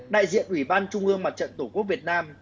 đại diện ủy ban trung ương mặt trận tổ quốc việt nam